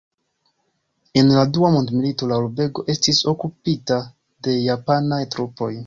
En la dua mondmilito la urbego estis okupita de japanaj trupoj.